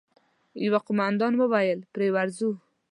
يوه قوماندان وويل: پرې ورځو!